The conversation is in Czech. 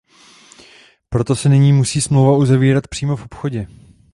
Proto se nyní musí smlouva uzavírat přímo v obchodě.